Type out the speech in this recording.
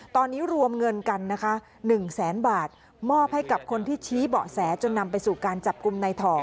ตอนนี้รวมเงินกันนะคะ๑แสนบาทมอบให้กับคนที่ชี้เบาะแสจนนำไปสู่การจับกลุ่มในถ่อ